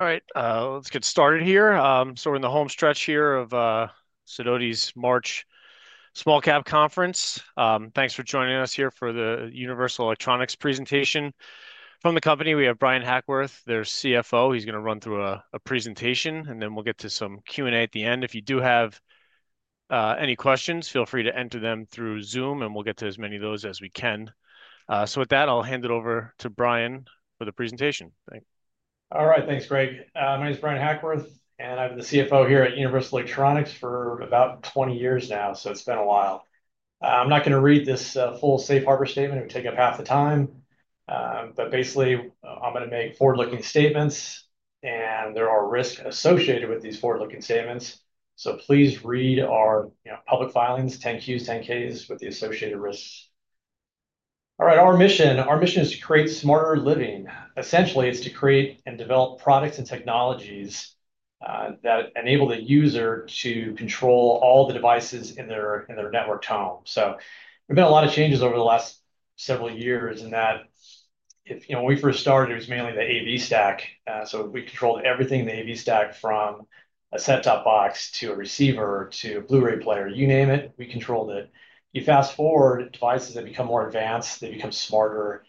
All right, let's get started here. We are in the home stretch here of Sidoti's March Small Cap Conference. Thanks for joining us here for the Universal Electronics presentation. From the company, we have Bryan Hackworth, their CFO. He's going to run through a presentation, and then we'll get to some Q&A at the end. If you do have any questions, feel free to enter them through Zoom, and we'll get to as many of those as we can. With that, I'll hand it over to Bryan for the presentation. All right, thanks, Greg. My name is Bryan Hackworth, and I've been the CFO here at Universal Electronics for about 20 years now, so it's been a while. I'm not going to read this full Safe Harbor statement. It would take up half the time. Basically, I'm going to make forward-looking statements, and there are risks associated with these forward-looking statements. Please read our public filings, 10-Qs, 10-Ks, with the associated risks. All right, our mission is to create smarter living. Essentially, it's to create and develop products and technologies that enable the user to control all the devices in their networked home. There have been a lot of changes over the last several years in that when we first started, it was mainly the AV stack. We controlled everything in the AV stack, from a set-top box to a receiver to a Blu-ray player, you name it, we controlled it. You fast forward, devices have become more advanced. They become smarter.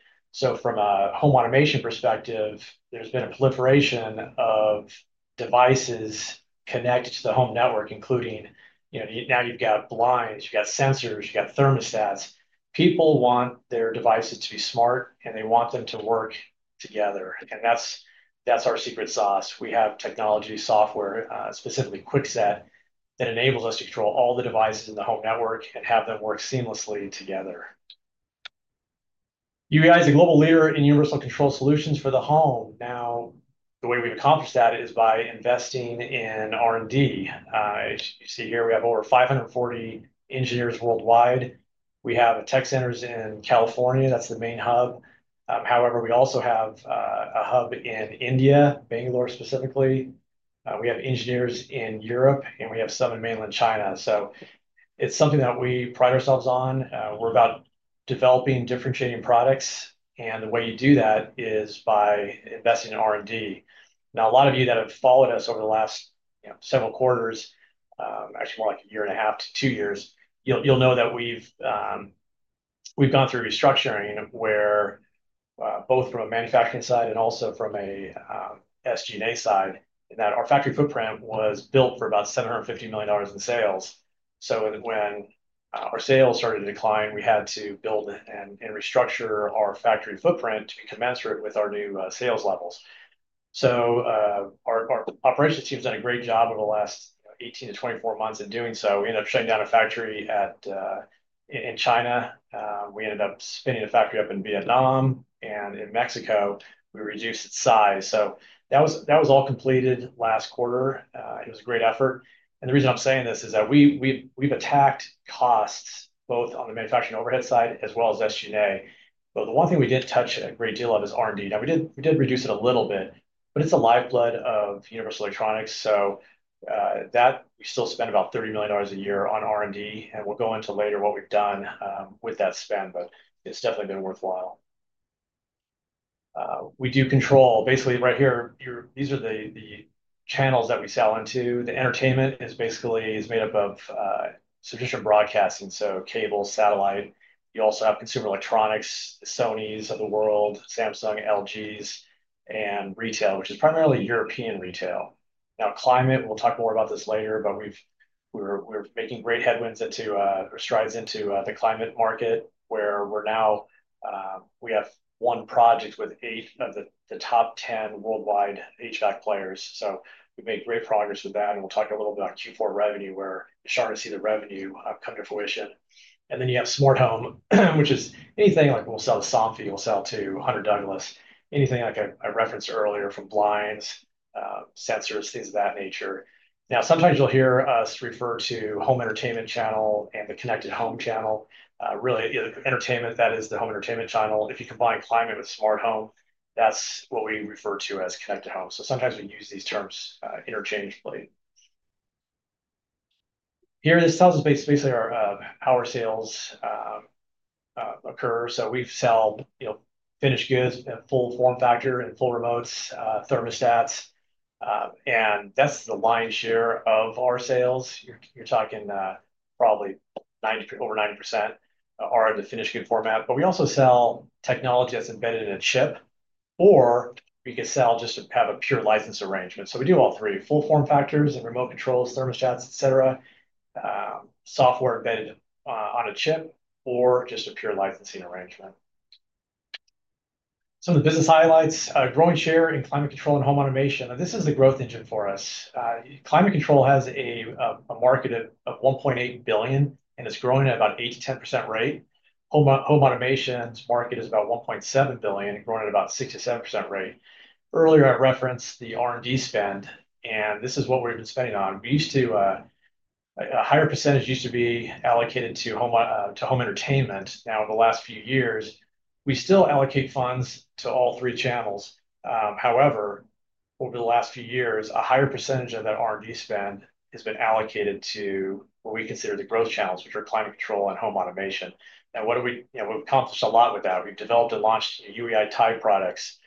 From a home automation perspective, there has been a proliferation of devices connected to the home network, including now you have blinds, you have sensors, you have thermostats. People want their devices to be smart, and they want them to work together. That is our secret sauce. We have technology, software, specifically QuickSet, that enables us to control all the devices in the home network and have them work seamlessly together. UEI is a global leader in universal control solutions for the home. The way we have accomplished that is by investing in R&D. As you see here, we have over 540 engineers worldwide. We have tech centers in California. That is the main hub. However, we also have a hub in India, Bangalore specifically. We have engineers in Europe, and we have some in mainland China. It is something that we pride ourselves on. We are about developing differentiating products. The way you do that is by investing in R&D. Now, a lot of you that have followed us over the last several quarters, actually more like a year and a half to two years, you will know that we have gone through restructuring both from a manufacturing side and also from an SG&A side, in that our factory footprint was built for about $750 million in sales. When our sales started to decline, we had to build and restructure our factory footprint to be commensurate with our new sales levels. Our operations team has done a great job over the last 18-24 months in doing so. We ended up shutting down a factory in China. We ended up spinning a factory up in Vietnam. In Mexico, we reduced its size. That was all completed last quarter. It was a great effort. The reason I'm saying this is that we've attacked costs both on the manufacturing overhead side as well as SG&A. The one thing we didn't touch a great deal of is R&D. Now, we did reduce it a little bit, but it's the lifeblood of Universal Electronics. We still spend about $30 million a year on R&D. We'll go into later what we've done with that spend, but it's definitely been worthwhile. We do control basically right here. These are the channels that we sell into. The entertainment is basically made up of subscription broadcasting, so cable, satellite. You also have consumer electronics, Sonys of the world, Samsung, LGs, and retail, which is primarily European retail. Now, climate, we'll talk more about this later, but we're making great headwinds or strides into the climate market where we have one project with eight of the top 10 worldwide HVAC players. So we've made great progress with that. We'll talk a little bit about Q4 revenue where we're starting to see the revenue come to fruition. Then you have smart home, which is anything like we'll sell to Somfy, we'll sell to Hunter Douglas, anything like I referenced earlier from blinds, sensors, things of that nature. Now, sometimes you'll hear us refer to home entertainment channel and the connected home channel. Really, entertainment, that is the home entertainment channel. If you combine climate with smart home, that's what we refer to as connected home. Sometimes we use these terms interchangeably. Here, this tells us basically how our sales occur. We've sell finished goods in full form factor and full remotes, thermostats. That's the lion's share of our sales. You're talking probably over 90% are in the finished good format. We also sell technology that's embedded in a chip, or we could sell just to have a pure license arrangement. We do all three, full form factors and remote controls, thermostats, etc., software embedded on a chip, or just a pure licensing arrangement. Some of the business highlights, growing share in climate control and home automation. This is the growth engine for us. Climate control has a market of $1.8 billion, and it's growing at about 8%-10% rate. Home automation's market is about $1.7 billion, growing at about 6%-7% rate. Earlier, I referenced the R&D spend, and this is what we've been spending on. A higher percentage used to be allocated to home entertainment. Now, over the last few years, we still allocate funds to all three channels. However, over the last few years, a higher percentage of that R&D spend has been allocated to what we consider the growth channels, which are climate control and home automation. We have accomplished a lot with that. We have developed and launched UEI TIDE products.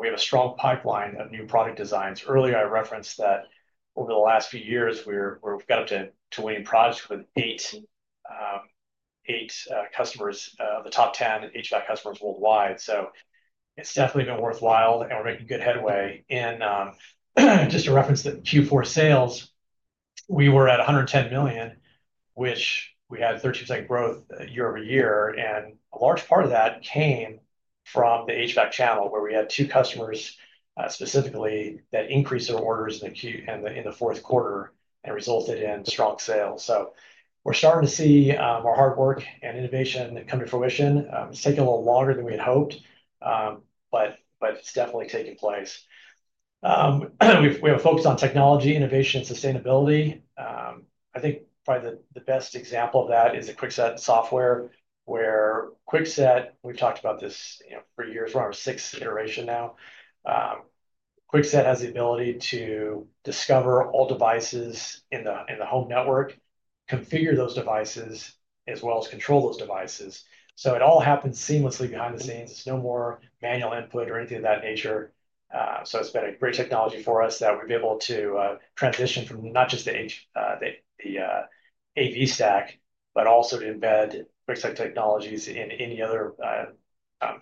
We have a strong pipeline of new product designs. Earlier, I referenced that over the last few years, we have got up to winning projects with eight customers, the top 10 HVAC customers worldwide. It has definitely been worthwhile, and we are making good headway. Just to reference the Q4 sales, we were at $110 million, which was 13% growth year-over-year. A large part of that came from the HVAC channel where we had two customers specifically that increased their orders in the fourth quarter and resulted in strong sales. We are starting to see our hard work and innovation come to fruition. It has taken a little longer than we had hoped, but it is definitely taking place. We have a focus on technology, innovation, and sustainability. I think probably the best example of that is the QuickSet software where QuickSet, we have talked about this for years. We are on our sixth iteration now. QuickSet has the ability to discover all devices in the home network, configure those devices, as well as control those devices. It all happens seamlessly behind the scenes. There is no more manual input or anything of that nature. It's been a great technology for us that we've been able to transition from not just the AV stack, but also to embed QuickSet technologies in any other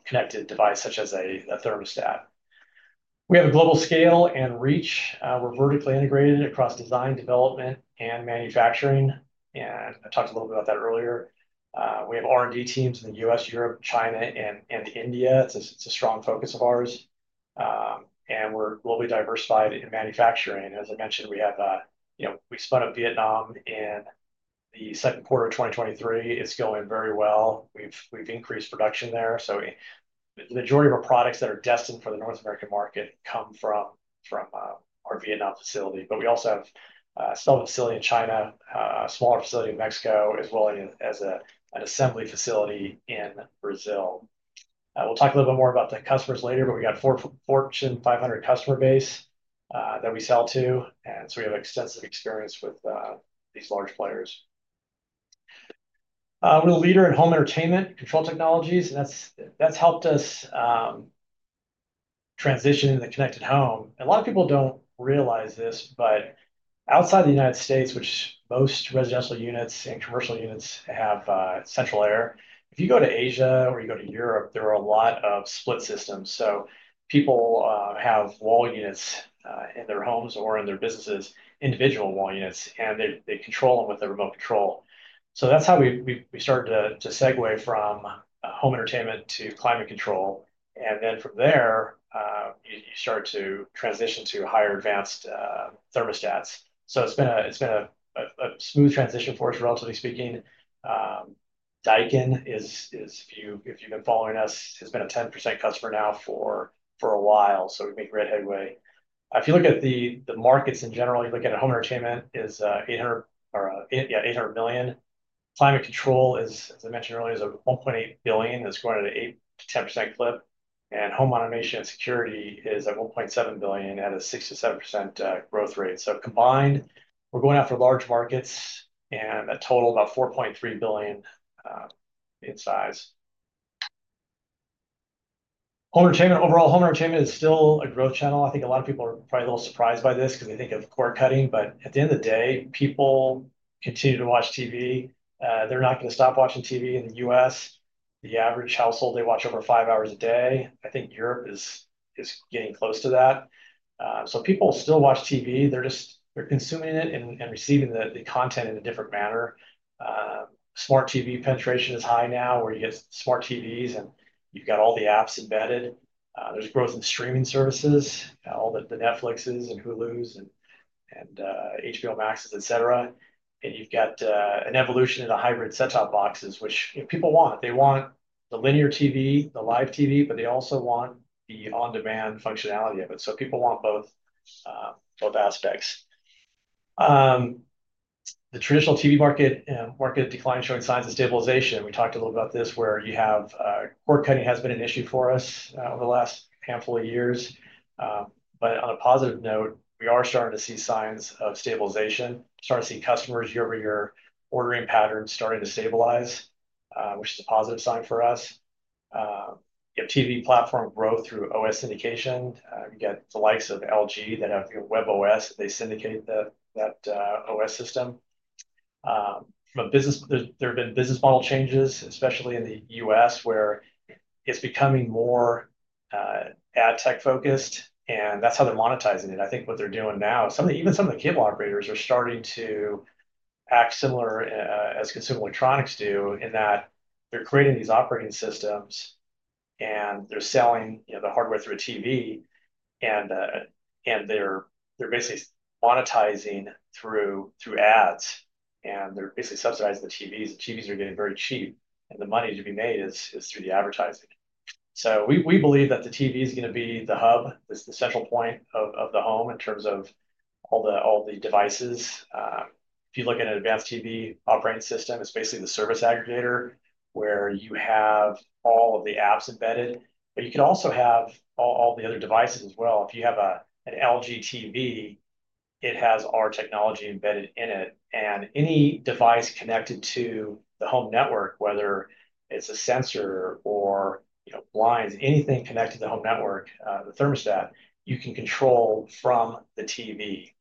connected device such as a thermostat. We have a global scale and reach. We're vertically integrated across design, development, and manufacturing. I talked a little bit about that earlier. We have R&D teams in the U.S., Europe, China, and India. It's a strong focus of ours. We're globally diversified in manufacturing. As I mentioned, we spun up Vietnam in the second quarter of 2023. It's going very well. We've increased production there. The majority of our products that are destined for the North American market come from our Vietnam facility. We also have still a facility in China, a smaller facility in Mexico, as well as an assembly facility in Brazil. We'll talk a little bit more about the customers later, but we got Fortune 500 customer base that we sell to. We have extensive experience with these large players. We're the leader in home entertainment control technologies, and that's helped us transition into connected home. A lot of people don't realize this, but outside the U.S., which most residential units and commercial units have central air, if you go to Asia or you go to Europe, there are a lot of split systems. People have wall units in their homes or in their businesses, individual wall units, and they control them with a remote control. That's how we started to segue from home entertainment to climate control. From there, you start to transition to higher advanced thermostats. It's been a smooth transition for us, relatively speaking. Daikin, if you've been following us, has been a 10% customer now for a while, so we've made great headway. If you look at the markets in general, you look at home entertainment, it's $800 million. Climate control, as I mentioned earlier, is at $1.8 billion. It's going at an 8-10% clip. Home automation and security is at $1.7 billion at a 6-7% growth rate. Combined, we're going after large markets and a total of about $4.3 billion in size. Overall, home entertainment is still a growth channel. I think a lot of people are probably a little surprised by this because they think of cord cutting. At the end of the day, people continue to watch TV. They're not going to stop watching TV in the U.S. The average household, they watch over five hours a day. I think Europe is getting close to that. People still watch TV. They're consuming it and receiving the content in a different manner. Smart TV penetration is high now where you get smart TVs and you've got all the apps embedded. There's growth in streaming services, all the Netflixes and Hulus and HBO Maxes, etc. You've got an evolution in the hybrid set-top boxes, which people want. They want the linear TV, the live TV, but they also want the on-demand functionality of it. People want both aspects. The traditional TV market decline is showing signs of stabilization. We talked a little bit about this where you have cord cutting has been an issue for us over the last handful of years. On a positive note, we are starting to see signs of stabilization. Starting to see customers year-over-year ordering patterns starting to stabilize, which is a positive sign for us. You have TV platform growth through OS syndication. You get the likes of LG that have webOS. They syndicate that OS system. There have been business model changes, especially in the U.S., where it's becoming more ad tech focused. That's how they're monetizing it. I think what they're doing now, even some of the cable operators are starting to act similar as consumer electronics do in that they're creating these operating systems and they're selling the hardware through a TV. They're basically monetizing through ads. They're basically subsidizing the TVs. The TVs are getting very cheap. The money to be made is through the advertising. We believe that the TV is going to be the hub, the central point of the home in terms of all the devices. If you look at an advanced TV operating system, it's basically the service aggregator where you have all of the apps embedded. You can also have all the other devices as well. If you have an LG TV, it has our technology embedded in it. Any device connected to the home network, whether it's a sensor or blinds, anything connected to the home network, the thermostat, you can control from the TV.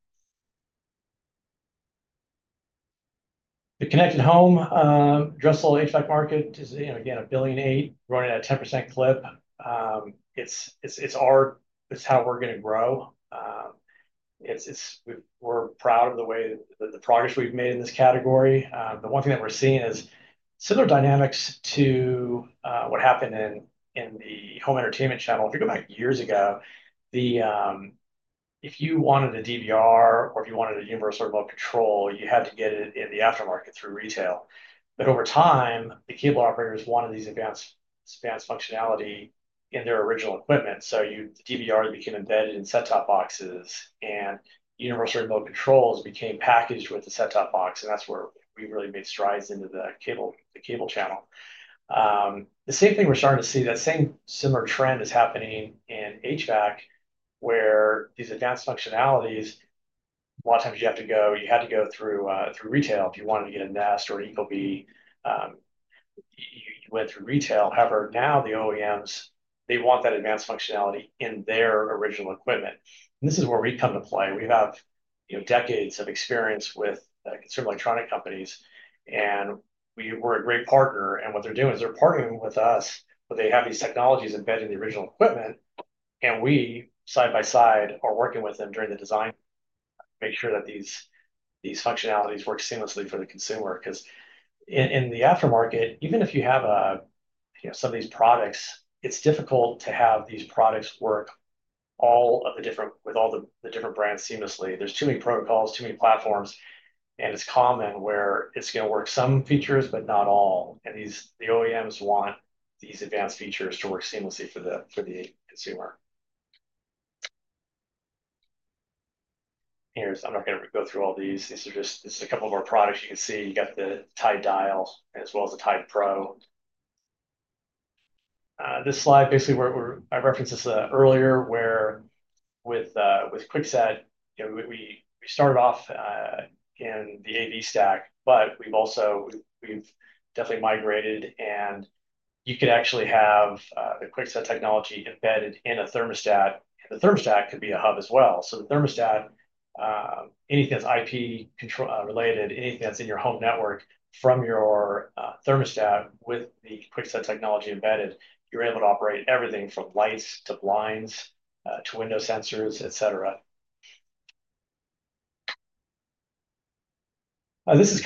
The connected home addressable HVAC market is, again, a billion eight, running at a 10% clip. It's how we're going to grow. We're proud of the progress we've made in this category. The one thing that we're seeing is similar dynamics to what happened in the home entertainment channel. If you go back years ago, if you wanted a DVR or if you wanted a universal remote control, you had to get it in the aftermarket through retail. Over time, the cable operators wanted this advanced functionality in their original equipment. The DVR became embedded in set-top boxes, and universal remote controls became packaged with the set-top box. That is where we really made strides into the cable channel. The same thing we are starting to see, that same similar trend is happening in HVAC, where these advanced functionalities, a lot of times you had to go through retail if you wanted to get a Nest or an Ecobee. You went through retail. However, now the OEMs want that advanced functionality in their original equipment. This is where we come to play. We have decades of experience with consumer electronic companies. We are a great partner. What they're doing is they're partnering with us, but they have these technologies embedded in the original equipment. We, side by side, are working with them during the design to make sure that these functionalities work seamlessly for the consumer. Because in the aftermarket, even if you have some of these products, it's difficult to have these products work with all the different brands seamlessly. There's too many protocols, too many platforms. It's common where it's going to work some features, but not all. The OEMs want these advanced features to work seamlessly for the consumer. I'm not going to go through all these. These are just a couple of our products. You can see you got the TIDE Dial as well as the TIDE Pro. This slide basically I referenced this earlier where with QuickSet, we started off in the AV stack, but we've definitely migrated. You could actually have the QuickSet technology embedded in a thermostat. The thermostat could be a hub as well. The thermostat, anything that's IP related, anything that's in your home network from your thermostat with the QuickSet technology embedded, you're able to operate everything from lights to blinds to window sensors, etc. This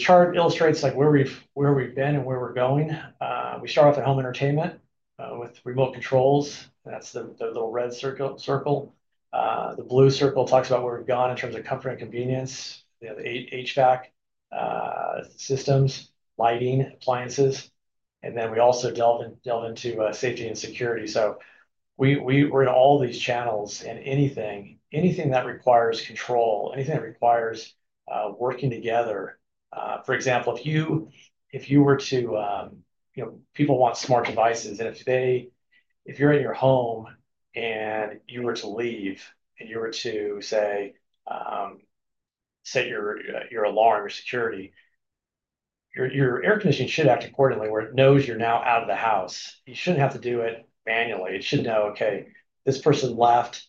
chart illustrates where we've been and where we're going. We start off at home entertainment with remote controls. That's the little red circle. The blue circle talks about where we've gone in terms of comfort and convenience, the HVAC systems, lighting, appliances. We also delve into safety and security. We're in all these channels and anything that requires control, anything that requires working together. For example, if you were to people want smart devices. And if you're in your home and you were to leave and you were to, say, set your alarm, your security, your air conditioning should act accordingly where it knows you're now out of the house. You shouldn't have to do it manually. It should know, okay, this person left.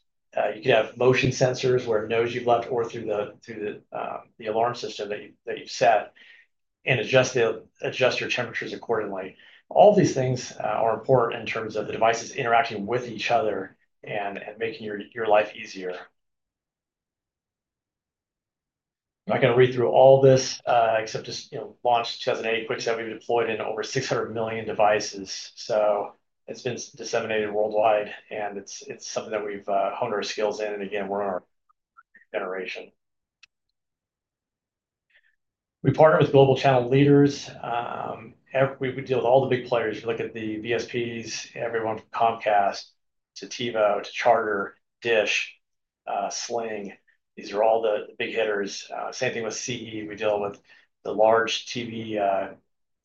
You could have motion sensors where it knows you've left or through the alarm system that you've set and adjust your temperatures accordingly. All these things are important in terms of the devices interacting with each other and making your life easier. I'm not going to read through all this except just launched 2008, QuickSet will be deployed in over 600 million devices. So it's been disseminated worldwide, and it's something that we've honed our skills in. Again, we're on our generation. We partner with global channel leaders. We deal with all the big players. If you look at the VSPs, everyone from Comcast to TiVo to Charter, Dish, Sling, these are all the big hitters. Same thing with CE. We deal with the large TV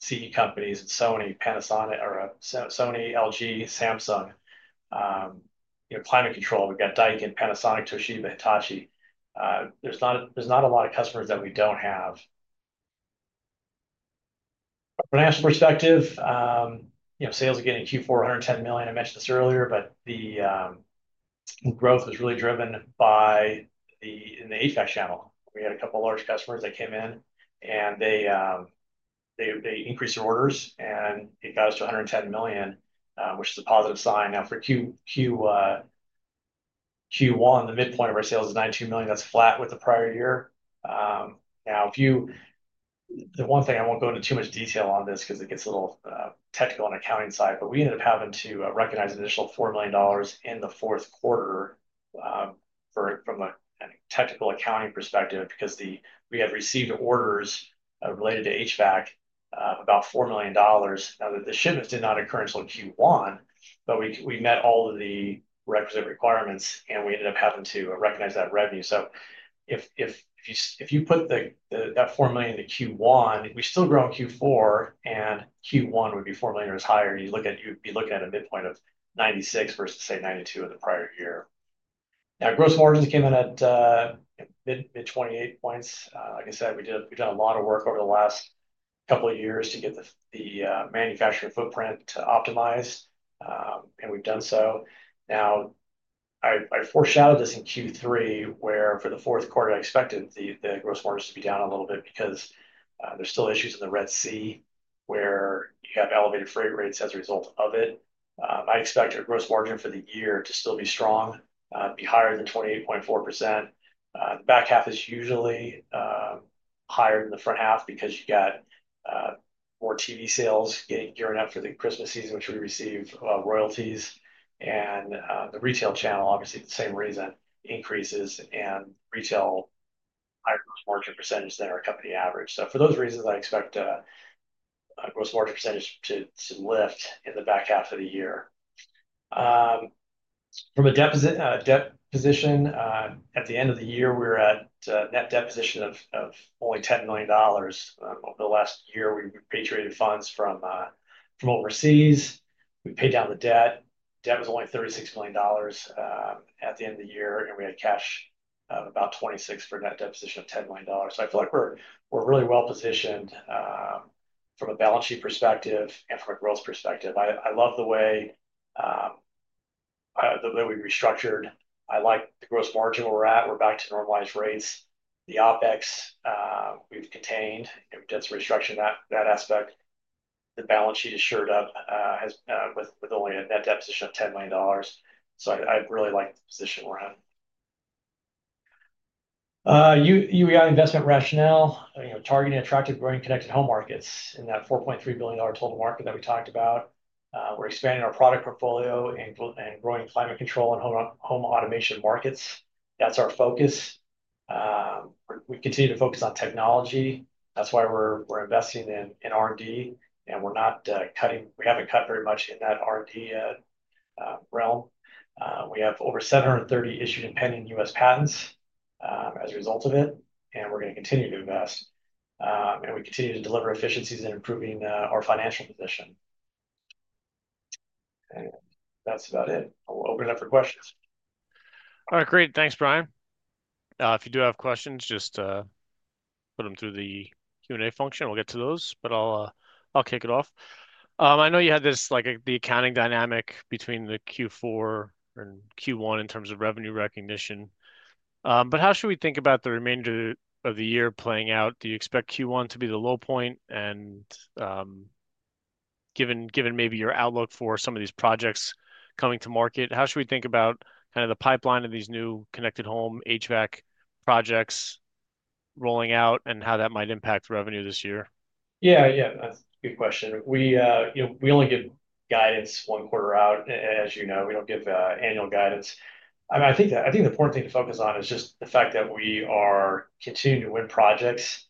CE companies and Sony, LG, Samsung. Climate control, we've got Daikin, Panasonic, Toshiba, Hitachi. There's not a lot of customers that we don't have. From a national perspective, sales again in Q4, $110 million. I mentioned this earlier, but the growth was really driven by the HVAC channel. We had a couple of large customers that came in, and they increased their orders, and it got us to $110 million, which is a positive sign. Now, for Q1, the midpoint of our sales is $92 million. That's flat with the prior year. Now, the one thing I won't go into too much detail on this because it gets a little technical on the accounting side, but we ended up having to recognize an additional $4 million in the fourth quarter from a technical accounting perspective because we had received orders related to HVAC of about $4 million. Now, the shipments did not occur until Q1, but we met all of the requisite requirements, and we ended up having to recognize that revenue. If you put that $4 million into Q1, we still grow in Q4, and Q1 would be $4 million or as higher. You'd be looking at a midpoint of $96 million versus, say, $92 million in the prior year. Now, gross margins came in at mid 28 percentage points. Like I said, we've done a lot of work over the last couple of years to get the manufacturing footprint optimized, and we've done so. Now, I foreshadowed this in Q3, where for the fourth quarter, I expected the gross margins to be down a little bit because there's still issues in the Red Sea where you have elevated freight rates as a result of it. I expect our gross margin for the year to still be strong, be higher than 28.4%. The back half is usually higher than the front half because you've got more TV sales gearing up for the Christmas season, which we receive royalties. The retail channel, obviously, the same reason, increases and retail higher gross margin percentage than our company average. For those reasons, I expect a gross margin percentage to lift in the back half of the year. From a debt position, at the end of the year, we're at net debt position of only $10 million. Over the last year, we repatriated funds from overseas. We paid down the debt. Debt was only $36 million at the end of the year, and we had cash of about $26 million for net debt position of $10 million. I feel like we're really well positioned from a balance sheet perspective and from a growth perspective. I love the way that we restructured. I like the gross margin where we're at. We're back to normalized rates. The OpEx, we've contained. We've done some restructuring in that aspect. The balance sheet is shored up with only a net debt position of $10 million. I really like the position we're at. UEI investment rationale, targeting attractive, growing, connected home markets in that $4.3 billion total market that we talked about. We're expanding our product portfolio and growing climate control and home automation markets. That's our focus. We continue to focus on technology. That's why we're investing in R&D. We haven't cut very much in that R&D realm. We have over 730 issued and pending US patents as a result of it. We're going to continue to invest. We continue to deliver efficiencies in improving our financial position. That's about it. I'll open it up for questions. All right. Great. Thanks, Bryan. If you do have questions, just put them through the Q&A function. We'll get to those, but I'll kick it off. I know you had this like the accounting dynamic between the Q4 and Q1 in terms of revenue recognition. How should we think about the remainder of the year playing out? Do you expect Q1 to be the low point? Given maybe your outlook for some of these projects coming to market, how should we think about kind of the pipeline of these new connected home HVAC projects rolling out and how that might impact revenue this year? Yeah. Yeah. That's a good question. We only give guidance one quarter out, as you know. We don't give annual guidance. I think the important thing to focus on is just the fact that we are continuing to win projects.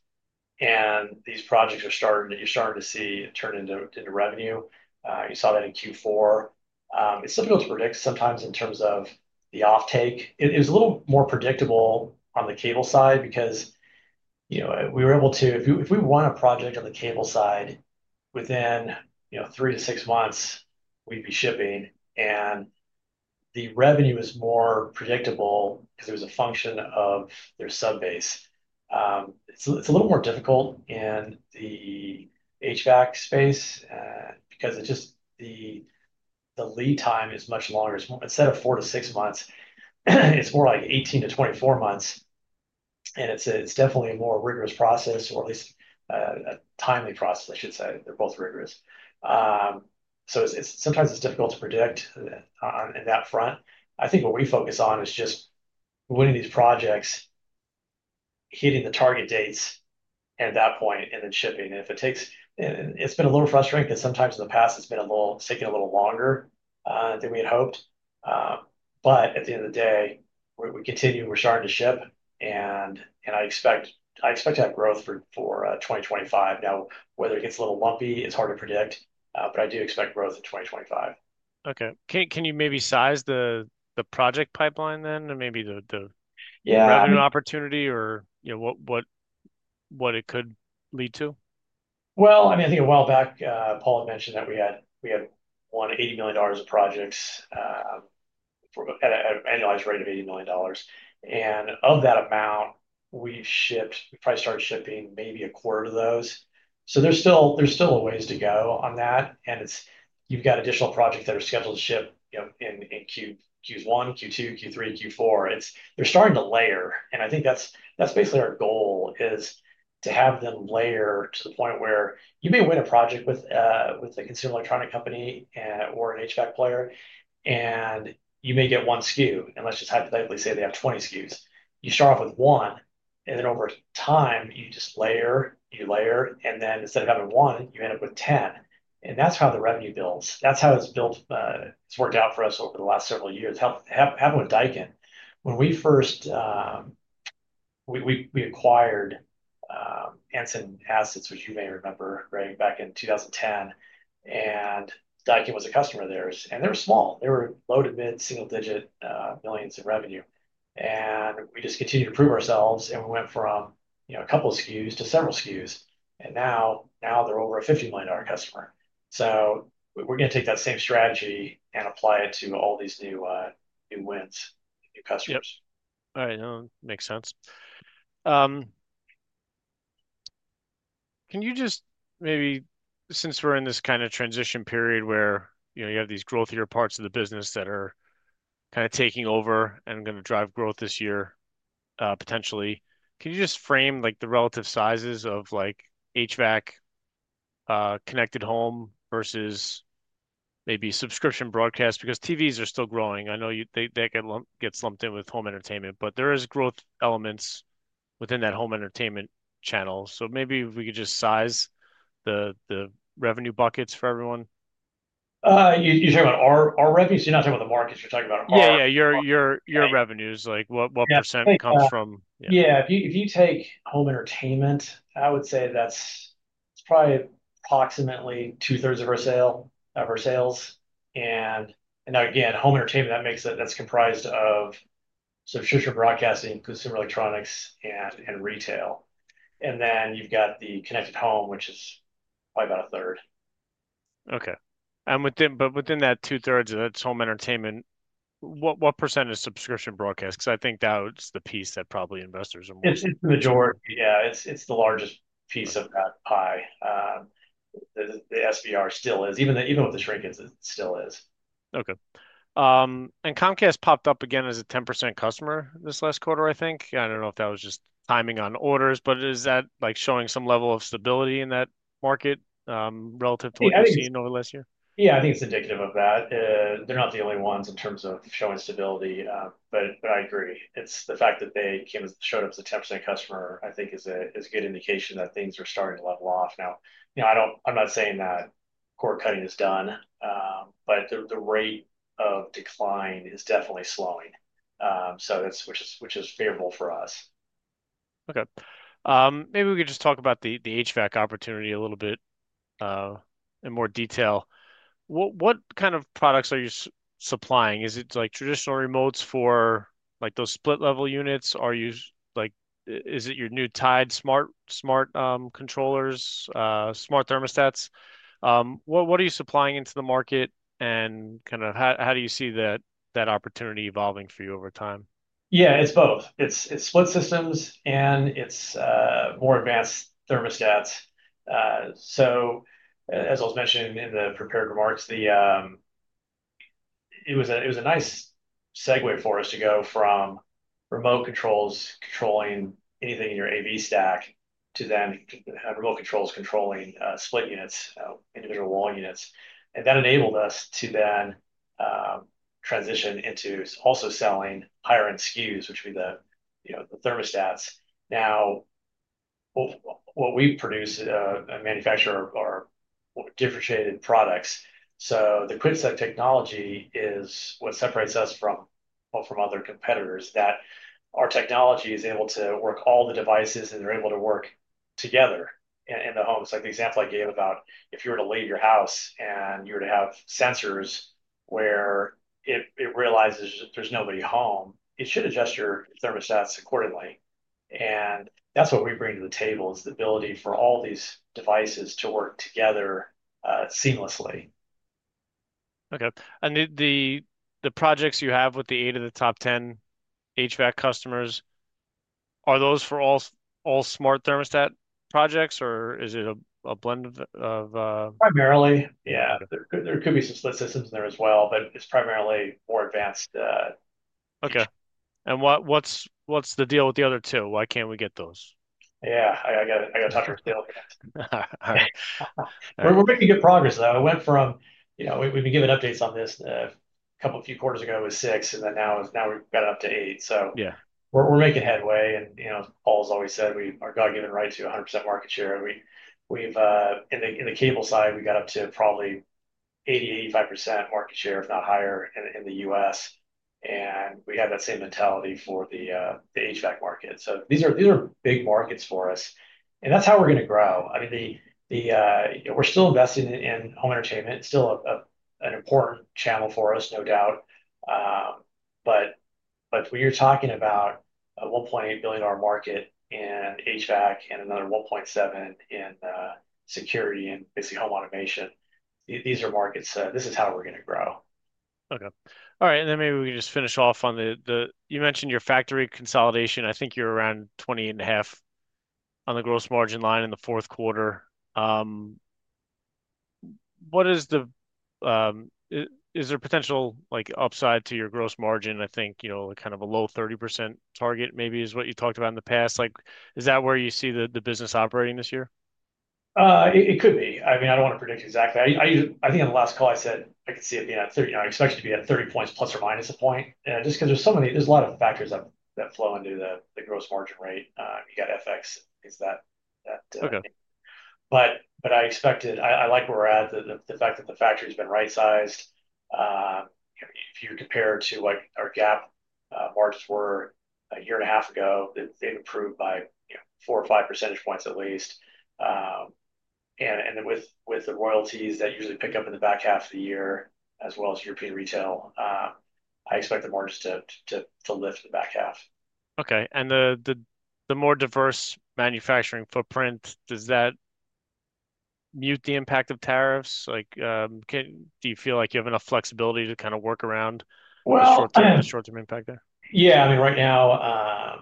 And these projects are starting to—you're starting to see it turn into revenue. You saw that in Q4. It's difficult to predict sometimes in terms of the offtake. It was a little more predictable on the cable side because we were able to—if we won a project on the cable side within three to six months, we'd be shipping. And the revenue is more predictable because it was a function of their subbase. It's a little more difficult in the HVAC space because the lead time is much longer. Instead of four to six months, it's more like 18 to 24 months. It is definitely a more rigorous process, or at least a timely process, I should say. They are both rigorous. Sometimes it is difficult to predict on that front. I think what we focus on is just winning these projects, hitting the target dates at that point, and then shipping. If it takes—it has been a little frustrating because sometimes in the past, it has taken a little longer than we had hoped. At the end of the day, we continue—we are starting to ship. I expect to have growth for 2025. Now, whether it gets a little lumpy, it is hard to predict, but I do expect growth in 2025. Okay. Can you maybe size the project pipeline then? Maybe the revenue opportunity or what it could lead to? I mean, I think a while back, Paul had mentioned that we had won $80 million of projects at an annualized rate of $80 million. Of that amount, we probably started shipping maybe a quarter of those. There is still a ways to go on that. You have got additional projects that are scheduled to ship in Q1, Q2, Q3, Q4. They are starting to layer. I think that is basically our goal, to have them layer to the point where you may win a project with a consumer electronic company or an HVAC player, and you may get one SKU. Let's just hypothetically say they have 20 SKUs. You start off with one, and then over time, you just layer. You layer. Instead of having one, you end up with 10. That is how the revenue builds. That's how it's worked out for us over the last several years. It happened with Daikin. When we first acquired Enson Assets, which you may remember, right, back in 2010, and Daikin was a customer of theirs. They were small. They were low to mid single-digit millions in revenue. We just continued to prove ourselves. We went from a couple of SKUs to several SKUs. Now they're over a $50 million customer. We are going to take that same strategy and apply it to all these new wins, new customers. Yep. All right. That makes sense. Can you just maybe, since we're in this kind of transition period where you have these growthier parts of the business that are kind of taking over and going to drive growth this year, potentially, can you just frame the relative sizes of HVAC, connected home versus maybe subscription broadcast? Because TVs are still growing. I know that gets lumped in with home entertainment, but there are growth elements within that home entertainment channel. Maybe if we could just size the revenue buckets for everyone. You're talking about our revenues? You're not talking about the markets. You're talking about our. Yeah. Yeah. Your revenues. What percent comes from? Yeah. If you take home entertainment, I would say that's probably approximately two-thirds of our sales. Now, again, home entertainment, that's comprised of subscription broadcasting, consumer electronics, and retail. Then you've got the connected home, which is probably about a third. Okay. Within that two-thirds, that's home entertainment. What percent is subscription broadcast? I think that's the piece that probably investors are more interested in. It's the majority. Yeah. It's the largest piece of that pie. The SBR still is. Even with the shrinkage, it still is. Okay. Comcast popped up again as a 10% customer this last quarter, I think. I don't know if that was just timing on orders, but is that showing some level of stability in that market relative to what we've seen over the last year? Yeah. I think it's indicative of that. They're not the only ones in terms of showing stability. I agree. The fact that they showed up as a 10% customer, I think, is a good indication that things are starting to level off. Now, I'm not saying that core cutting is done, but the rate of decline is definitely slowing, which is favorable for us. Okay. Maybe we could just talk about the HVAC opportunity a little bit in more detail. What kind of products are you supplying? Is it traditional remotes for those split-level units? Is it your new TIDE Smart controllers, smart thermostats? What are you supplying into the market? How do you see that opportunity evolving for you over time? Yeah. It's both. It's split systems, and it's more advanced thermostats. As I was mentioning in the prepared remarks, it was a nice segue for us to go from remote controls controlling anything in your AV stack to remote controls controlling split units, individual wall units. That enabled us to transition into also selling higher-end SKUs, which would be the thermostats. Now, what we produce, manufacture are differentiated products. The QuickSet technology is what separates us from other competitors, that our technology is able to work all the devices, and they're able to work together in the home. It's like the example I gave about if you were to leave your house and you were to have sensors where it realizes there's nobody home, it should adjust your thermostats accordingly. That is what we bring to the table, is the ability for all these devices to work together seamlessly. Okay. The projects you have with the eight of the top 10 HVAC customers, are those for all smart thermostat projects, or is it a blend of? Primarily, yeah. There could be some split systems in there as well, but it's primarily more advanced. Okay. What is the deal with the other two? Why can't we get those? Yeah. I got to talk to Rick Taylor. All right. We're making good progress, though. We've been giving updates on this. A few quarters ago, it was six, and now we've got it up to eight. We're making headway. Paul's always said, "We are God-given right to 100% market share." In the cable side, we got up to probably 80-85% market share, if not higher, in the U.S. We have that same mentality for the HVAC market. These are big markets for us. That's how we're going to grow. I mean, we're still investing in home entertainment. It's still an important channel for us, no doubt. When you're talking about a $1.8 billion market in HVAC and another $1.7 billion in security and basically home automation, these are markets, this is how we're going to grow. Okay. All right. Maybe we can just finish off on the you mentioned your factory consolidation. I think you're around 20.5% on the gross margin line in the fourth quarter. Is there potential upside to your gross margin? I think kind of a low 30% target maybe is what you talked about in the past. Is that where you see the business operating this year? It could be. I mean, I don't want to predict exactly. I think on the last call, I said I could see it being at 30. I expect it to be at 30% plus or minus a point. Just because there's a lot of factors that flow into the gross margin rate. You got FX. It's that. I like where we're at, the fact that the factory has been right-sized. If you compare to what our GAAP margins were a year and a half ago, they've improved by four or five percentage points at least. With the royalties that usually pick up in the back half of the year, as well as European retail, I expect the margins to lift the back half. Okay. The more diverse manufacturing footprint, does that mute the impact of tariffs? Do you feel like you have enough flexibility to kind of work around the short-term impact there? Yeah. I mean, right now,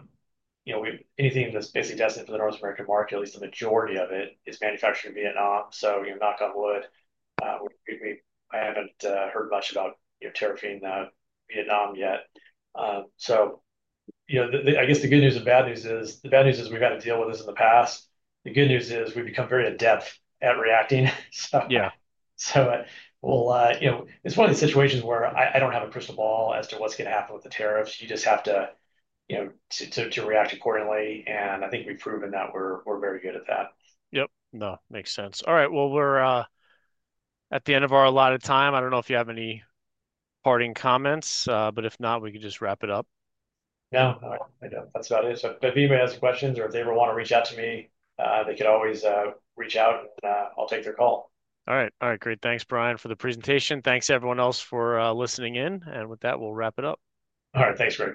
anything that's basically destined for the North American market, at least the majority of it, is manufactured in Vietnam. Knock on wood. I haven't heard much about tariffing Vietnam yet. I guess the good news and bad news is the bad news is we've had to deal with this in the past. The good news is we've become very adept at reacting. It's one of the situations where I don't have a crystal ball as to what's going to happen with the tariffs. You just have to react accordingly. I think we've proven that we're very good at that. Yep. No. Makes sense. All right. We are at the end of our allotted time. I do not know if you have any parting comments, but if not, we can just wrap it up. No. I don't. That's about it. If anybody has questions or if they ever want to reach out to me, they can always reach out, and I'll take their call. All right. All right. Great. Thanks, Bryan, for the presentation. Thanks to everyone else for listening in. With that, we'll wrap it up. All right. Thanks, Greg.